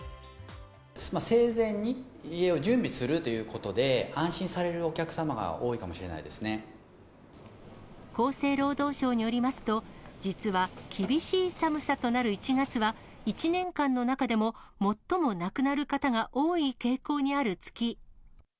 生前に遺影を準備するということで、安心されるお客様が多いかもしれ厚生労働省によりますと、実は厳しい寒さとなる１月は、１年間の中でも最も亡くなる方が多い傾向にある月。